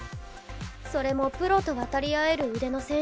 それもプロと渡り合える腕の選手がね。